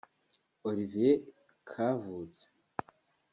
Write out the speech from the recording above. Olivier Kavutse